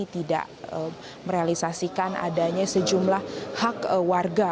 tidak merealisasikan adanya sejumlah hak warga